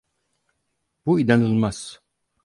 Bu inanılmaz.